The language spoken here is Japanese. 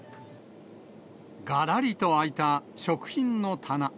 がらりと空いた食品の棚。